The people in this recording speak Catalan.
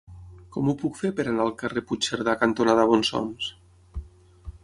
Com ho puc fer per anar al carrer Puigcerdà cantonada Bonsoms?